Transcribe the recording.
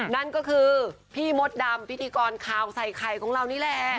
นั่นก็คือพี่มดดำพิธีกรข่าวใส่ไข่ของเรานี่แหละ